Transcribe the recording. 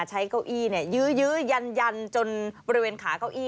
เก้าอี้ยื้อยันจนบริเวณขาเก้าอี้